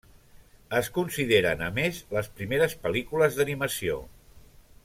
Es consideren, a més, les primeres pel·lícules d'animació.